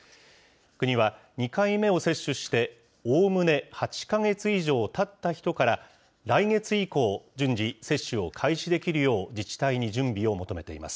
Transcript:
国は２回目を接種しておおむね８か月以上たった人から、来月以降、順次、接種を開始できるよう、自治体に準備を求めています。